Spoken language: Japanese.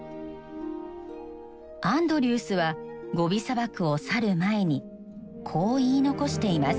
アンドリュースはゴビ砂漠を去る前にこう言い残しています。